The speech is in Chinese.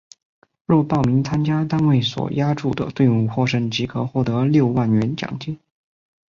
若报名参加单位所押注的队伍获胜即可获得六万元奖金。